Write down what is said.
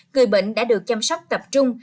người bệnh đã được chăm sóc tập trung